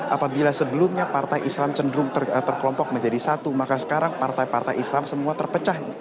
apabila sebelumnya partai islam cenderung terkelompok menjadi satu maka sekarang partai partai islam semua terpecah